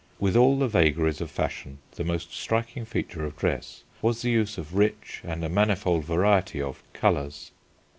With all the vagaries of fashion the most striking feature of dress was the use of rich and a manifold variety of colours.